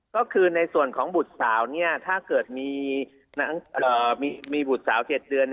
ก็คือในส่วนของบุตรสาวถ้าเกิดมีบุตรสาว๗เดือน